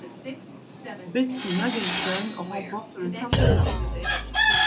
Betsy Nagelsen remporte le simple dames.